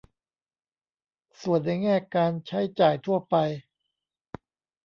ส่วนในแง่การใช้จ่ายทั่วไป